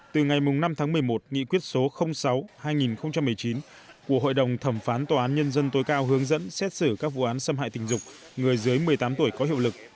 từ ngày năm tháng một mươi một nghị quyết số sáu hai nghìn một mươi chín của hội đồng thẩm phán tòa án nhân dân tối cao hướng dẫn xét xử các vụ án xâm hại tình dục người dưới một mươi tám tuổi có hiệu lực